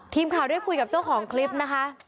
ทีมข่าวได้คุยกับเจ้าของคลิปนะคะ